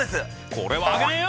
これはあげねえよ！